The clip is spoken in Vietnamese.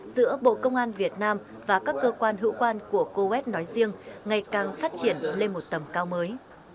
giữa bộ công an việt nam và các cơ quan hữu quan của coes nói riêng ngày càng phát triển lên một tầm cao mới